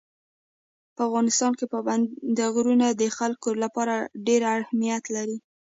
په افغانستان کې پابندي غرونه د خلکو لپاره ډېر اهمیت لري.